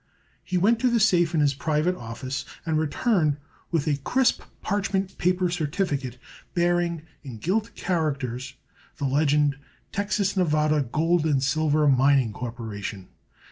He went to the safe in his private office and returned with a crisp parchment paper certificate bearing in gilt characters the legend, Texas Nevada Gold and Silver Mining Corporation.